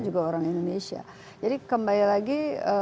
juga orang indonesia jadi kembali lagi